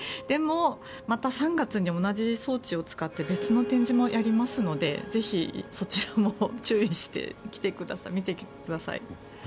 でもまた３月に同じ装置を使って別の展示もやりますのでぜひ、そちらも注意してみてください。